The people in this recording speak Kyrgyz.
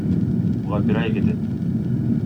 Буга бир ай кетет.